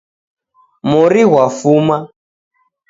Mori ghwafuma.